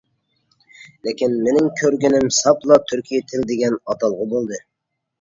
لېكىن مېنىڭ كۆرگىنىم ساپلا «تۈركى تىل» دېگەن ئاتالغۇ بولدى.